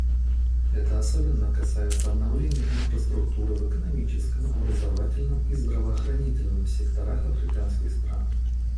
Это особенно касается обновления инфраструктуры в экономическом, образовательном и здравоохранительном секторах африканских стран.